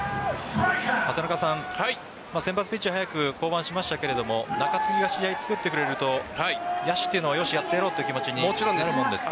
先発ピッチャー早く降板しましたが中継ぎが試合を作ってくれると野手はよし、やってやろうという気持ちになるもんですか？